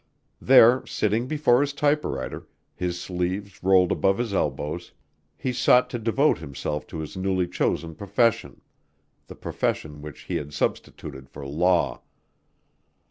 There, sitting before his typewriter, his sleeves rolled above his elbows, he sought to devote himself to his newly chosen profession: the profession which he had substituted for law.